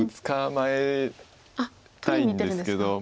捕まえたいんですけど。